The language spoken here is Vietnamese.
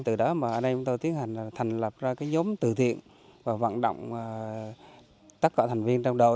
từ đó mà ở đây chúng tôi tiến hành là thành lập ra cái nhóm từ thiện và vận động tất cả thành viên trong đội